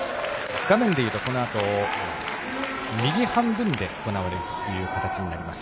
画面で言うとこのあと右半分で行われるという形になります。